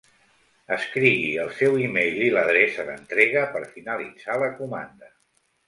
Escrigui el seu email i l'adreça d'entrega per finalitzar la comanda.